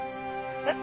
えっ？